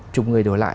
chục người đổi lại